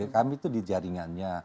kami itu di jaringannya